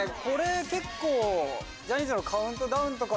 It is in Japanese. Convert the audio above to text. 結構。